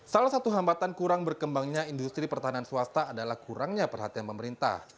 salah satu hambatan kurang berkembangnya industri pertahanan swasta adalah kurangnya perhatian pemerintah